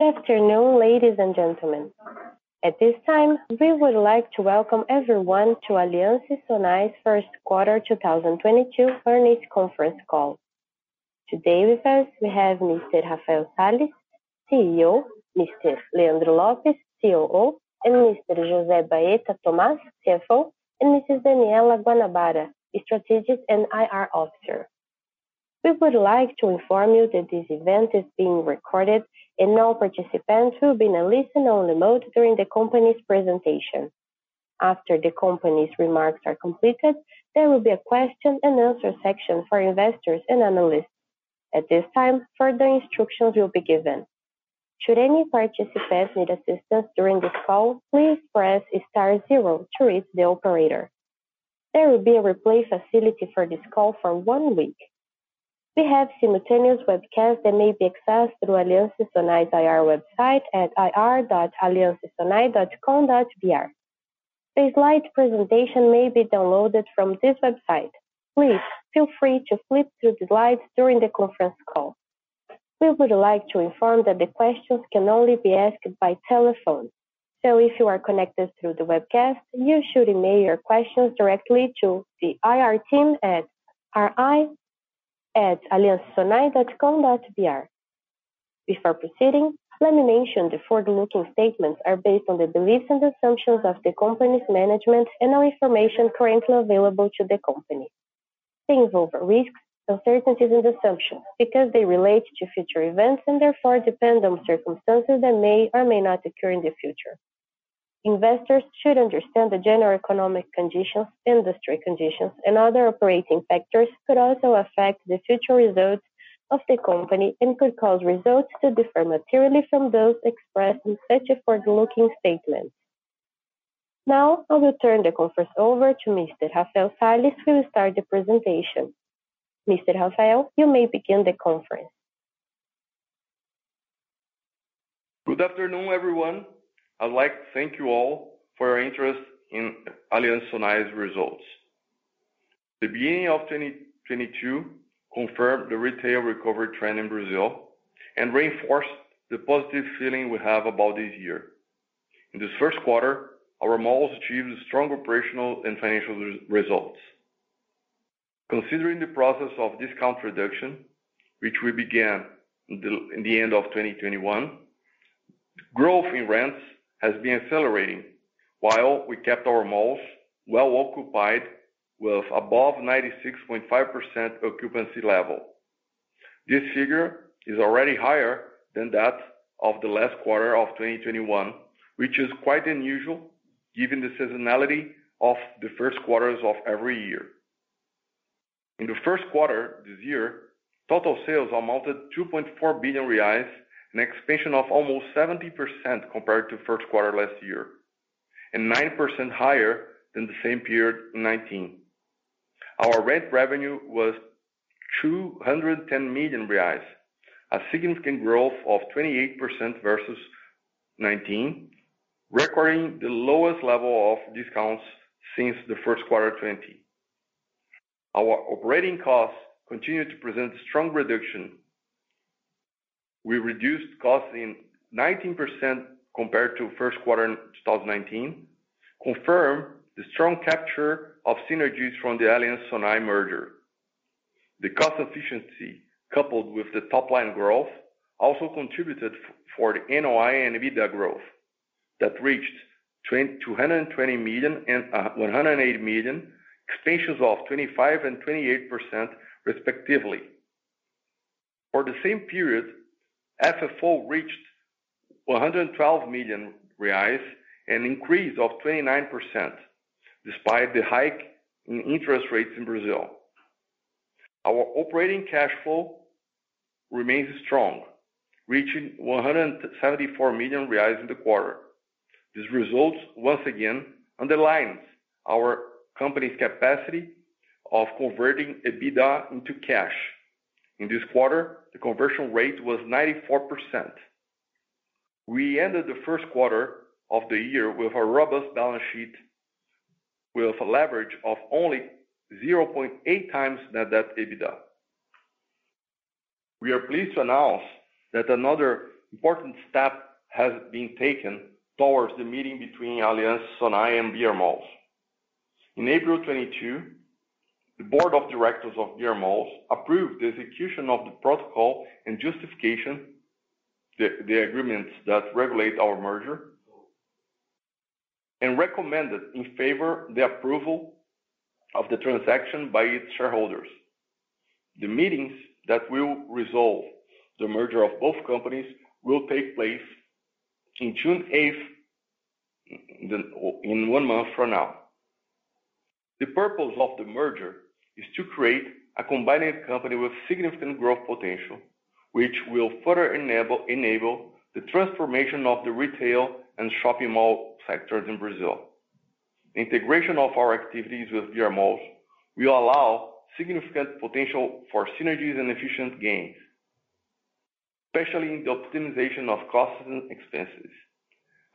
Good afternoon, ladies and gentlemen. At this time, we would like to welcome everyone to Aliansce Sonae first quarter 2022 earnings conference call. Today with us we have Mr. Rafael Sales, CEO, Mr. Leandro Lopes, COO, and Mr. José Baeta Tomás, CFO, and Mrs. Daniella Guanabara, Strategy and IR Officer. We would like to inform you that this event is being recorded and all participants will be in a listen-only mode during the company's presentation. After the company's remarks are completed, there will be a question and answer section for investors and analysts. At this time, further instructions will be given. Should any participant need assistance during this call, please press star zero to reach the operator. There will be a replay facility for this call for one week. We have simultaneous webcast that may be accessed through Aliansce Sonae IR website at ir.alianscesonae.com.br. The slide presentation may be downloaded from this website. Please feel free to flip through the slides during the conference call. We would like to inform that the questions can only be asked by telephone. If you are connected through the webcast, you should email your questions directly to the IR team at ri@alianscesonae.com.br. Before proceeding, let me mention the forward-looking statements are based on the beliefs and assumptions of the company's management and all information currently available to the company. They involve risks, uncertainties, and assumptions because they relate to future events and therefore depend on circumstances that may or may not occur in the future. Investors should understand the general economic conditions, industry conditions, and other operating factors could also affect the future results of the company and could cause results to differ materially from those expressed in such a forward-looking statement. Now, I will turn the conference over to Mr. Rafael Sales who will start the presentation. Mr. Rafael, you may begin the conference. Good afternoon, everyone. I'd like to thank you all for your interest in Aliansce Sonae results. The beginning of 2022 confirmed the retail recovery trend in Brazil and reinforced the positive feeling we have about this year. In this first quarter, our malls achieved strong operational and financial results. Considering the process of discount reduction, which we began in the end of 2021, growth in rents has been accelerating while we kept our malls well occupied with above 96.5% occupancy level. This figure is already higher than that of the last quarter of 2021, which is quite unusual given the seasonality of the first quarters of every year. In the first quarter this year, total sales amounted to 2.4 billion reais, an expansion of almost 70% compared to first quarter last year, and 9% higher than the same period in 2019. Our rent revenue was 210 million reais, a significant growth of 28% versus 2019, requiring the lowest level of discounts since the first quarter 2020. Our operating costs continued to present strong reduction. We reduced costs in 19% compared to first quarter in 2019, confirm the strong capture of synergies from the Aliansce Sonae merger. The cost efficiency, coupled with the top line growth, also contributed for the NOI and EBITDA growth that reached 220 million and 108 million, expansions of 25% and 28% respectively. For the same period, FFO reached 112 million reais, an increase of 29% despite the hike in interest rates in Brazil. Our operating cash flow remains strong, reaching 174 million reais in the quarter. These results once again underlines our company's capacity of converting EBITDA into cash. In this quarter, the conversion rate was 94%. We ended the first quarter of the year with a robust balance sheet with a leverage of only 0.8x net debt EBITDA. We are pleased to announce that another important step has been taken towards the merger between Aliansce Sonae and brMalls. In April 2022, the board of directors of brMalls approved the execution of the protocol and justification of the agreements that regulate our merger, and recommended in favor of the approval of the transaction by its shareholders. The meetings that will resolve the merger of both companies will take place in one month from now. The purpose of the merger is to create a combining company with significant growth potential, which will further enable the transformation of the retail and shopping mall sectors in Brazil. Integration of our activities with brMalls will allow significant potential for synergies and efficiency gains, especially in the optimization of costs and expenses.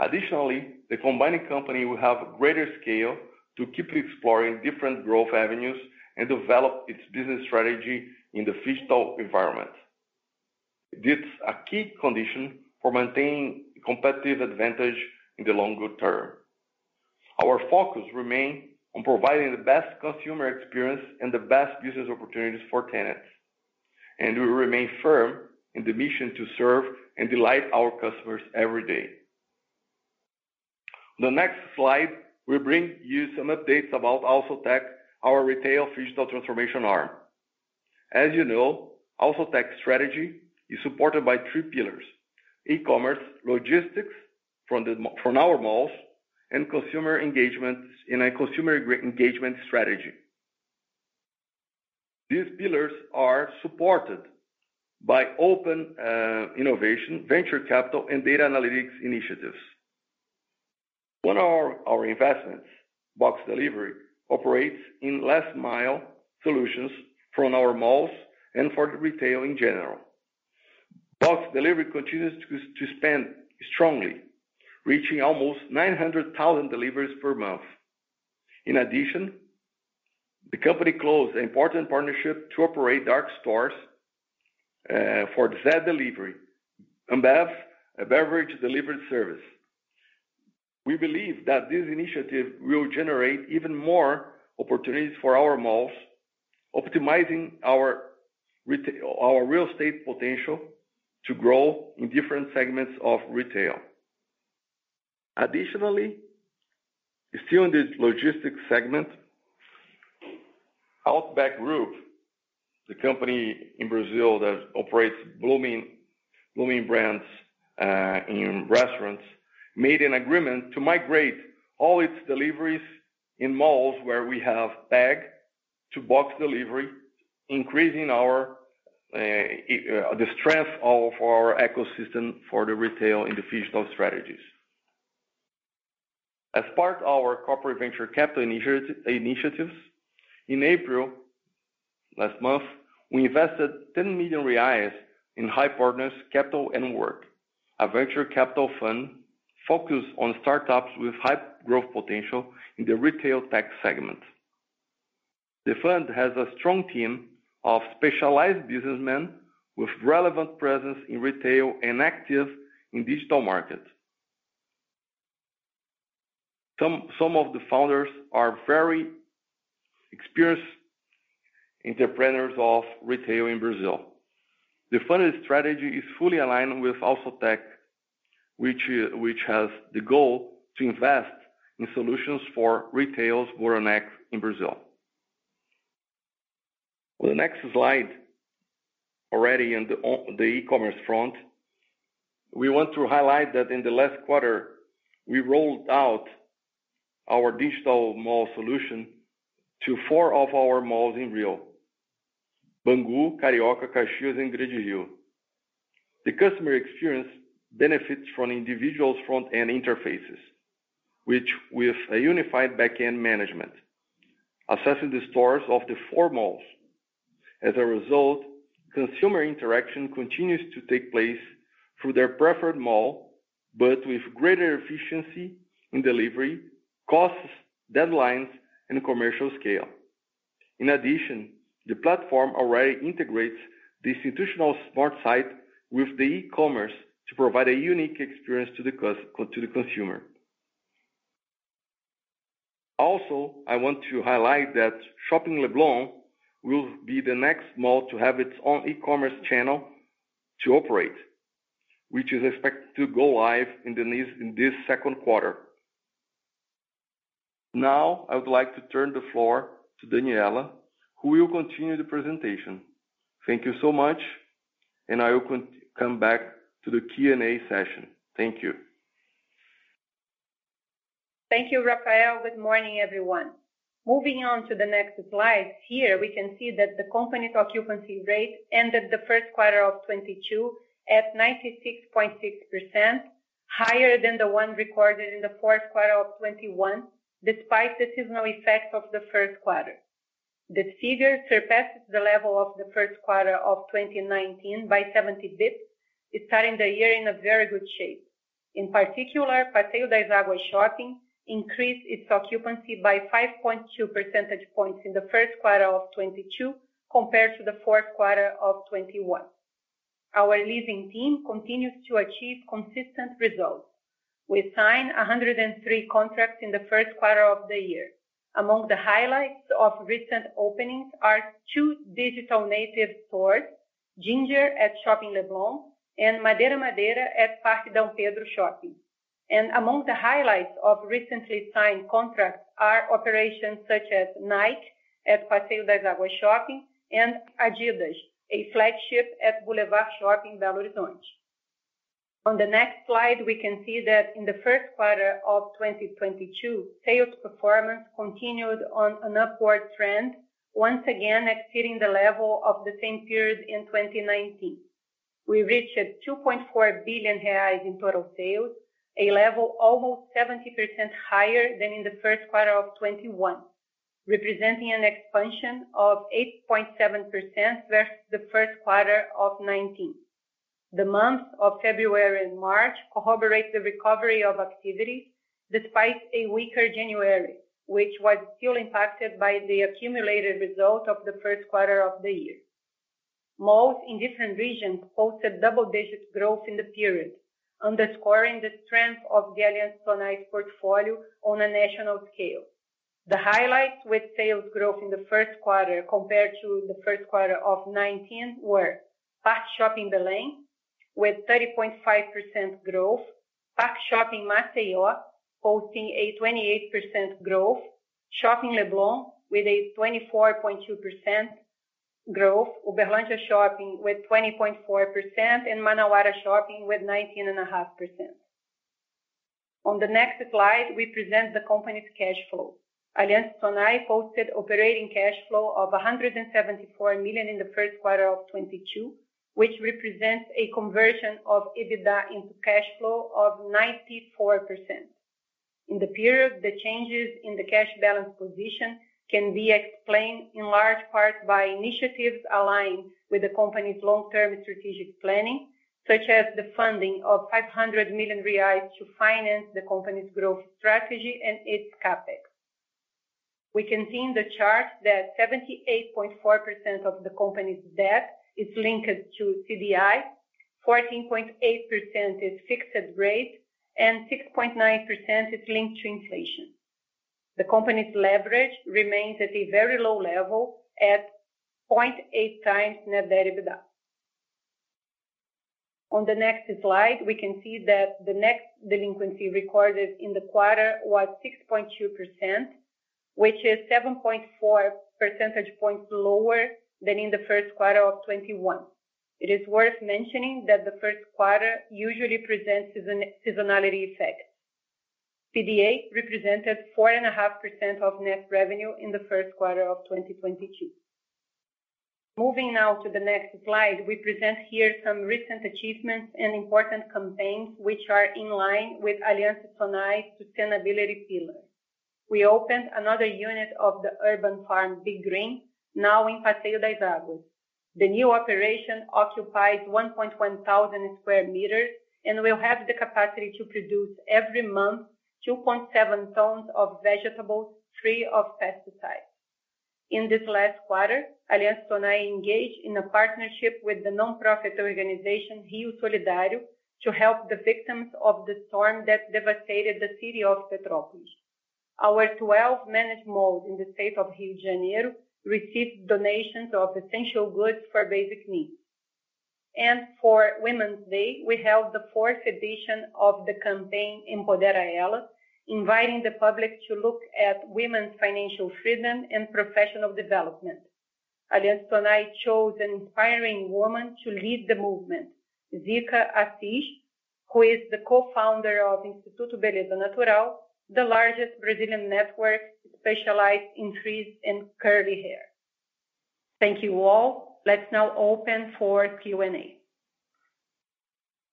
Additionally, the combining company will have greater scale to keep exploring different growth avenues and develop its business strategy in the phygital environment. This a key condition for maintaining competitive advantage in the longer term. Our focus remain on providing the best consumer experience and the best business opportunities for tenants, and we remain firm in the mission to serve and delight our customers every day. The next slide will bring you some updates about Allos Tech, our retail phygital transformation arm. As you know, Allos Tech strategy is supported by three pillars e-commerce, logistics from our malls and consumer engagements in a consumer engagement strategy. These pillars are supported by open innovation, venture capital and data analytics initiatives. One of our investments, Box Delivery, operates in last mile solutions from our malls and for retail in general. Box Delivery continues to expand strongly reaching almost 900,000 deliveries per month. In addition, the company closed an important partnership to operate dark stores for Zé Delivery, Ambev, a beverage delivery service. We believe that this initiative will generate even more opportunities for our malls, optimizing our real estate potential to grow in different segments of retail. Additionally, still in the logistics segment, Outback Group, the company in Brazil that operates Bloomin' Brands in restaurants, made an agreement to migrate all its deliveries in malls where we have Box Delivery, increasing the strength of our ecosystem for the retail in the phygital strategies. As part of our corporate venture capital initiatives in April last month, we invested 10 million reais in HiPartners Capital & Work, a venture capital fund focused on startups with high growth potential in the retail tech segment. The fund has a strong team of specialized businessmen with relevant presence in retail and active in digital markets. Some of the founders are very experienced entrepreneurs of retail in Brazil. The funded strategy is fully aligned with Allos Tech, which has the goal to invest in solutions for retail's bottlenecks in Brazil. On the next slide already in the e-commerce front, we want to highlight that in the last quarter we rolled out our digital mall solution to four of our malls in Rio: Bangu Shopping, Carioca Shopping, Caxias Shopping and Shopping Grande Rio. The customer experience benefits from individual front-end interfaces, which with a unified back-end management accessing the stores of the four malls. As a result, consumer interaction continues to take place through their preferred mall but with greater efficiency in delivery costs, deadlines and commercial scale. In addition, the platform already integrates the institutional smart site with the e-commerce to provide a unique experience to the consumer. Also, I want to highlight that Shopping Leblon will be the next mall to have its own e-commerce channel to operate, which is expected to go live in this second quarter. Now, I would like to turn the floor to Daniella, who will continue the presentation. Thank you so much, and I will come back to the Q&A session. Thank you. Thank you, Rafael. Good morning, everyone. Moving on to the next slide. Here we can see that the company's occupancy rate ended the first quarter of 2022 at 96.6% higher than the one recorded in the fourth quarter of 2021 despite the seasonal effect of the first quarter. The figure surpasses the level of the first quarter of 2019 by 70 basis points, starting the year in a very good shape. In particular, Passeio das Águas Shopping increased its occupancy by 5.2 percentage points in the first quarter of 2022 compared to the fourth quarter of 2021. Our leasing team continues to achieve consistent results. We signed 103 contracts in the first quarter of the year. Among the highlights of recent openings are two digital native stores, Ginger at Shopping Leblon and MadeiraMadeira at Parque Dom Pedro Shopping. Among the highlights of recently signed contracts are operations such as Nike at Passeio das Águas Shopping and Adidas, a flagship at Boulevard Shopping Belo Horizonte. On the next slide, we can see that in the first quarter of 2022, sales performance continued on an upward trend, once again exceeding the level of the same period in 2019. We reached 2.4 billion reais in total sales, a level almost 70% higher than in the first quarter of 2021. Representing an expansion of 8.7% versus the first quarter of 2019. The month of February and March corroborate the recovery of activities despite a weaker January, which was still impacted by the accumulated result of the first quarter of the year. Malls in different regions posted double-digit growth in the period, underscoring the strength of the Aliansce Sonae portfolio on a national scale. The highlights with sales growth in the first quarter compared to the first quarter of 2019 were Park Shopping Belém with 30.5% growth. Park Shopping Maceió posting a 28% growth. Shopping Leblon with a 24.2% growth. Uberlândia Shopping with 20.4% and Manauara Shopping with 19.5%. On the next slide, we present the company's cash flow. Aliansce Sonae posted operating cash flow of 174 million in the first quarter of 2022, which represents a conversion of EBITDA into cash flow of 94%. In the period, the changes in the cash balance position can be explained in large part by initiatives aligned with the company's long-term strategic planning, such as the funding of 500 million reais to finance the company's growth strategy and its CapEx. We can see in the chart that 78.4% of the company's debt is linked to CDI, 14.8% is fixed rate, and 6.9% is linked to inflation. The company's leverage remains at a very low level at 0.8x net debt to EBITDA. On the next slide, we can see that the net delinquency recorded in the quarter was 6.2%, which is 7.4 percentage points lower than in the first quarter of 2021. It is worth mentioning that the first quarter usually presents seasonality effect. PDA represented 4.5% of net revenue in the first quarter of 2022. Moving now to the next slide. We present here some recent achievements and important campaigns which are in line with Aliansce Sonae sustainability pillar. We opened another unit of the urban farm, Be Green, now in Passeio das Águas. The new operation occupies 1,100 square meters and will have the capacity to produce every month 2.7 tons of vegetables free of pesticides. In this last quarter, Aliansce Sonae engaged in a partnership with the nonprofit organization RioSolidario to help the victims of the storm that devastated the city of Petrópolis. Our 12 managed malls in the state of Rio de Janeiro received donations of essential goods for basic needs. For Women's Day, we held the fourth edition of the campaign EmpoderaEla, inviting the public to look at women's financial freedom and professional development. Aliansce Sonae chose an inspiring woman to lead the movement, Zica Assis, who is the co-founder of Instituto Beleza Natural, the largest Brazilian network specialized in frizz and curly hair. Thank you all. Let's now open for Q&A.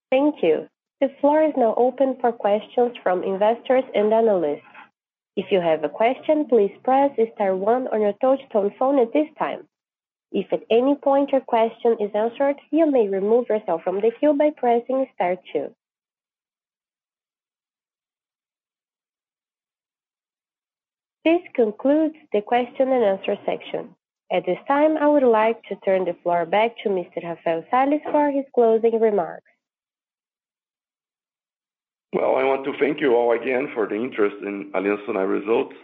Thank you. The floor is now open for questions from investors and analysts. If you have a question, please press star one on your touch tone phone at this time. If at any point your question is answered, you may remove yourself from the queue by pressing star two. This concludes the question and answer section. At this time, I would like to turn the floor back to Mr. Rafael Sales for his closing remarks. Well, I want to thank you all again for the interest in Aliansce Sonae results,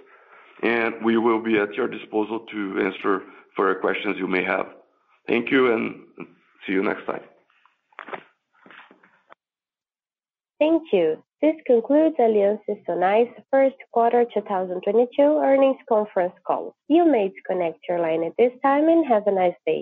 and we will be at your disposal to answer further questions you may have. Thank you and see you next time. Thank you. This concludes Aliansce Sonae's first quarter 2022 earnings conference call. You may disconnect your line at this time and have a nice day.